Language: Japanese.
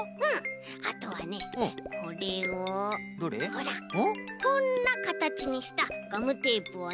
ほらこんなかたちにしたガムテープをね。